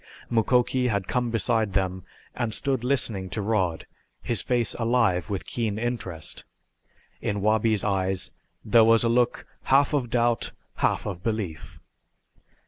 Mukoki had come beside them and stood listening to Rod, his face alive with keen interest. In Wabi's eyes there was a look half of doubt, half of belief.